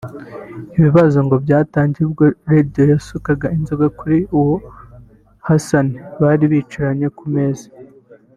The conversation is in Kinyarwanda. Ibibazo ngo byatangiye ubwo Radio yasukaga inzoga kuri uwo Hassan bari bicaranye ku meza